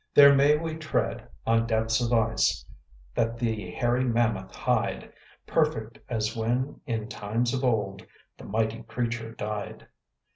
There may we tread on depths of ice, That the hairy mammoth hide; Perfect as when, in times of old, The mighty creature died.